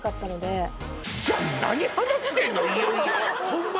ホンマ！